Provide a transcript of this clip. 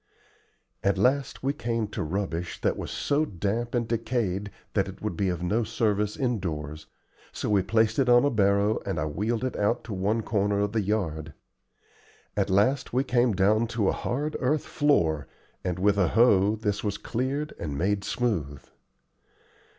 At last we came to rubbish that was so damp and decayed that it would be of no service indoors, so we placed it on a barrow and I wheeled it out to one corner of the yard. At last we came down to a hard earth floor, and with a hoe this was cleared and made smooth.